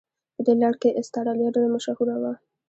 په دې لړ کې استرالیا ډېره مشهوره وه.